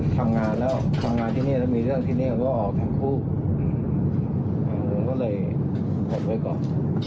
ก็ได้ยกที่นี่เขาก็ออกแต่งคู่ก็เลยเอาไว้ก่อน